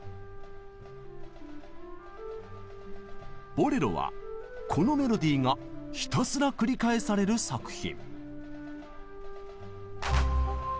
「ボレロ」はこのメロディーがひたすらくり返される作品。